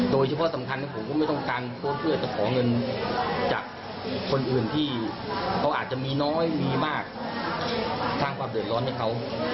โดยเฉพาะสำคัญผมก็ไม่ต้องการโพสต์เพื่อจะขอเงินจากคนอื่นที่เขาอาจจะมีน้อยมีมากสร้างความเดือดร้อนให้เขา